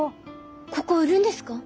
ここ売るんですか？